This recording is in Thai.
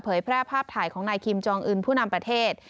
แพร่ภาพถ่ายของนายคิมจองอื่นผู้นำประเทศ